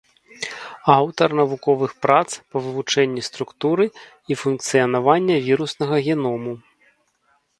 Аўтар навуковых прац па вывучэнні структуры і функцыянавання віруснага геному.